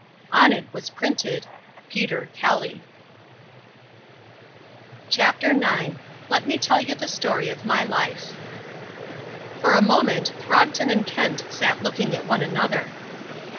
On it was printed: PETER KELLY CHAPTER IX LET ME TELL YOU THE STORY OF MY LIFE For a moment Throgton and Kent sat looking at one another.